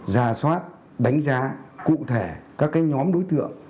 ra soát đánh giá cụ thể các nhóm đối tượng